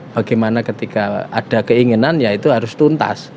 bagaimana ketika ada keinginan ya itu harus tuntas